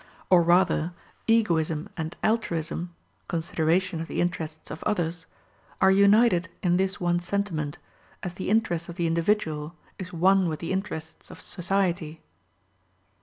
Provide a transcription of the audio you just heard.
Or rather egoism and altruism (consideration of the interests of others) are united in this one sentiment, as the interest of the individual is one with the interests of society.